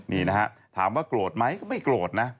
นี่นะฮะถามว่าโกรธไหมก็ไม่โกรธนะ